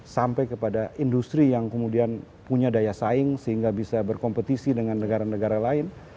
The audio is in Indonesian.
sampai kepada industri yang kemudian punya daya saing sehingga bisa berkompetisi dengan negara negara lain